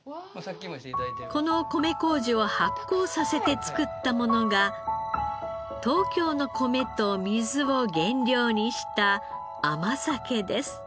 この米麹を発酵させて作ったものが東京の米と水を原料にした甘酒です。